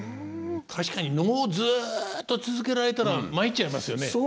確かに能をずっと続けられたら参っちゃいますよね。